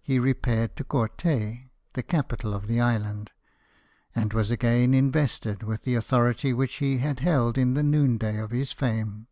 He repaired to Corte, the capital of the island, and was again invested with the authority which he had held in the noonday of his fame.